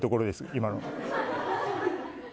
今の。